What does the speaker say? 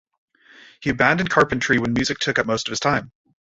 He abandoned carpentry when music took up most of his time.